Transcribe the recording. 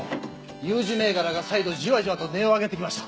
有事銘柄が再度じわじわと値を上げてきました！